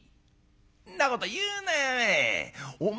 「んなこと言うなよお前。